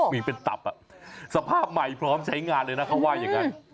มีเป็นตับสภาพใหม่พร้อมใช้งานเลยนะเขาว่าอย่างนั้น